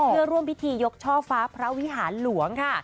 เพื่อร่วมพิธียกช่อฟ้าพระวิหารหลวงค่ะ